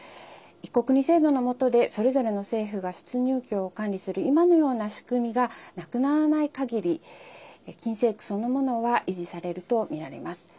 一国二制度のもとでそれぞれの政府が出入境を管理する、今のような仕組みがなくならないかぎり禁制区そのものは維持されるとみられます。